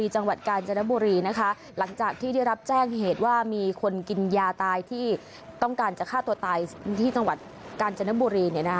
หลังจากที่ได้รับแจ้งเหตุว่ามีคนกินยาตายที่ต้องการจะฆ่าตัวตายที่จังหวัดกาญจนบุรี